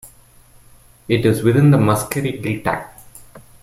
It is within the Muskerry Gaeltacht.